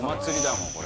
もうこれ。